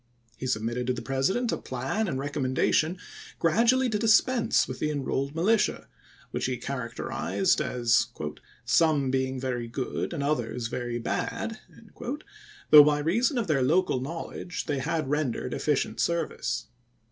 He sub mitted to the President a plan and recommenda tion gi'adually to dispense with the Enrolled Militia, which he characterized as " some being very good and others very bad," though by reason of their local knowledge they had rendered efficient service.